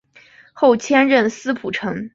后迁任司仆丞。